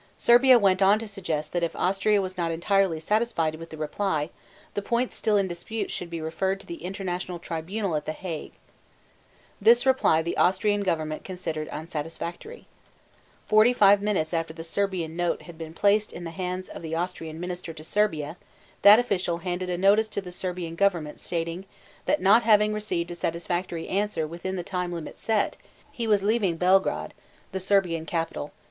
Serbia went on to suggest that if Austria was not entirely satisfied with the reply, the points still in dispute should be referred to the international tribunal at The Hague. This reply the Austrian government considered unsatisfactory. Forty five minutes after the Serbian note had been placed in the hands of the Austrian minister to Serbia that official handed a notice to the Serbian government stating "that not having received a satisfactory answer within the time limit set, he was leaving Belgrade" (the Serbian capital).